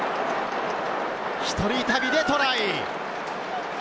１人旅でトライ！